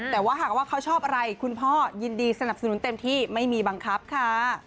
แต่ว่าหากว่าเขาชอบอะไรคุณพ่อยินดีสนับสนุนเต็มที่ไม่มีบังคับค่ะ